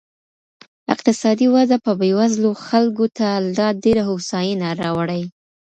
اقتصادي وده به بېوزلو خلګو ته لا ډېره هوساینه راوړي.